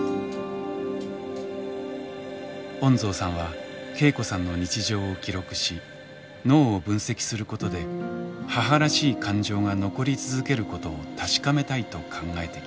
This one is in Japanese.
恩蔵さんは恵子さんの日常を記録し脳を分析することで母らしい感情が残り続けることを確かめたいと考えてきました。